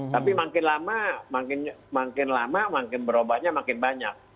tapi makin lama makin berubahnya makin banyak